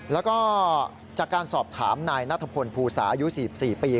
แล้วก็จากการสอบถามนายนัทพลภูสาอายุ๔๔ปี